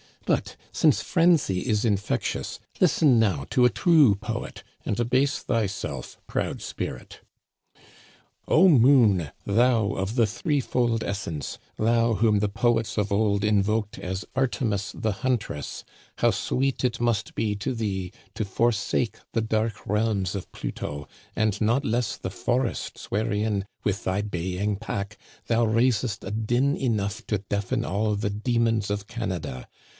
" But, since frenzy is in fectious, listen now to a true poet, and abase thyself, proud spirit. O moon, thou of the threefold essence, thou whom the poets of old invoked as Artemis the Huntress, how sweet it must be to thee to forsake the dark realms of Pluto, and not less the forests wherein, with thy baying pack, thou raisest a din enough to deafen all the demons of Canada